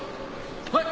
はい！